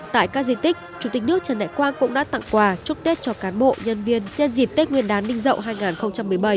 tại các di tích chủ tịch nước trần đại quang cũng đã tặng quà chúc tết cho cán bộ nhân viên nhân dịp tết nguyên đán minh dậu hai nghìn một mươi bảy